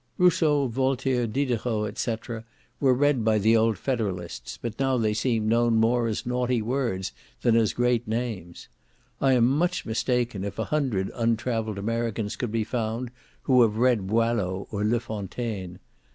Rousseau, Voltaire, Diderot, &c., were read by the old federalists, but now they seem known more as naughty words, than as great names. I am much mistaken if a hundred untravelled Americans could be found, who have read Boileau or Le Fontaine.